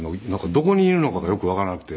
どこにいるのかがよくわからなくて」